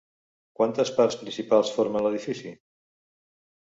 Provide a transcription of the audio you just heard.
Quantes parts principals formen l'edifici?